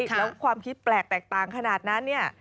แล้วความคิดแปลกแตกต่างขนาดนั้นเนี่ย